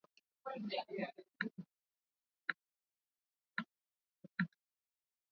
Wanyama wenye afya wanaweza kupata ugonjwa wanapochanganywa na walioathirika